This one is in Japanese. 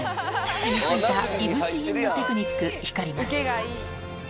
しみついたいぶし銀のテクニック光ります。